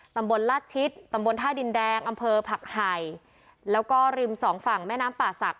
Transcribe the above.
ตำบลลาดชิดตำบลท่าดินแดงอำเภอผักไห่แล้วก็ริมสองฝั่งแม่น้ำป่าศักดิ